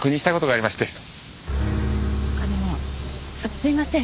あのすいません。